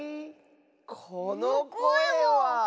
このこえは！